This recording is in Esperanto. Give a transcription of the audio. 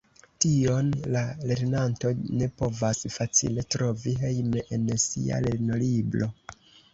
Tion la lernanto ne povas facile trovi hejme en sia lernolibro.